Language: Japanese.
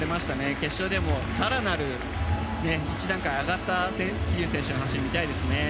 決勝でも更なる１段階上がった桐生選手の走り見たいですね。